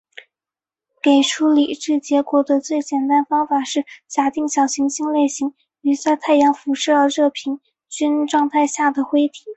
给出理智结果的最简单方法是假定小行星类似于在太阳辐射热平衡状态下的灰体。